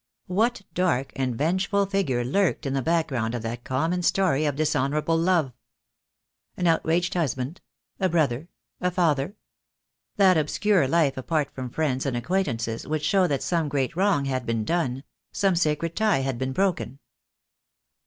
What dark and vengeful figure lurked in the background of that common story of dishonourable love? An outraged husband, a brother, a father? That obscure life apart from friends and acquaintances would show that some great wrong had been done, some sacred tie had been broken.